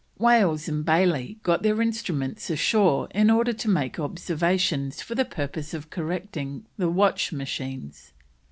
Wales and Bayley got their instruments ashore in order to make observations for the purpose of correcting the watch machines.